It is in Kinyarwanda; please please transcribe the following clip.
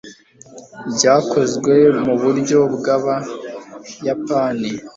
byakozwe muburyo bw'abayapani